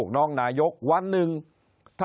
คนในวงการสื่อ๓๐องค์กร